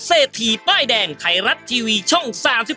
เศรษฐีป้ายแดงไทยรัฐทีวีช่อง๓๒